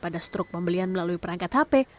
pada struk pembelian melalui perangkat hp